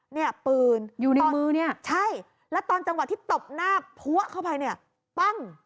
นี่ปืนใช่แล้วตอนจังหวะที่ตบหน้าพัวเข้าไปปั้ง